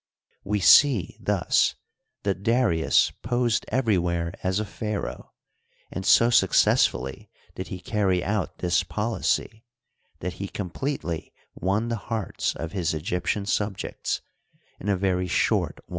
We see, thus, that Darius posed everywhere as a pharaoh, and so successfully did he carry out this policy that he complete ly won the hearts of his Egyptian subjects in a very short while.